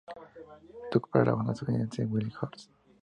Tocó para la banda estadounidense Wild Horses.